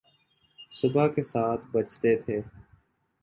صبح کے سات بجتے تھے۔